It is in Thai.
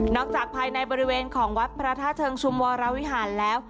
จากภายในบริเวณของวัดพระธาตุเชิงชุมวรวิหารแล้ว